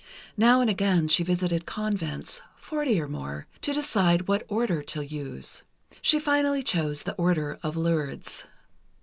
Now and again she visited convents, forty or more, to decide what Order to use. She finally chose the Order of Lourdes.